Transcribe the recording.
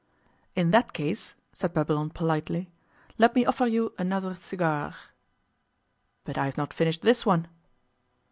'In that case,' said Babylon politely, 'let me offer you another cigar.' 'But I have not finished this one.